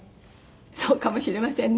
そうかもしれませんね。